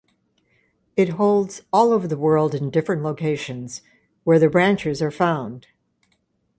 It holds all over the world in different locations where the branches are found.